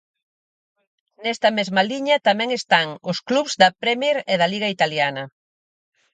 Nesta mesma liña tamén están os clubs da Prémier e da Liga Italiana.